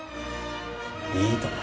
いいとも。